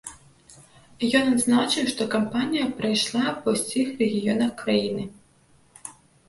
Ён адзначыў, што кампанія прайшла па ўсіх рэгіёнах краіны.